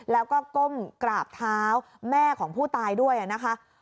แล้วก็ก้มกราบเท้าแม่ของผู้ตายด้วยนะคะ